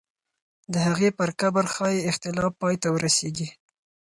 د هغې پر قبر ښایي اختلاف پای ته ورسېږي.